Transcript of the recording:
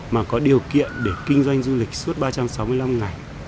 mà có điều kiện để kinh doanh du lịch suốt ba trăm sáu mươi năm ngày